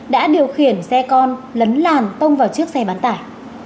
đã điều khiển xe con lấn làn tông vào chiếc xe bán tải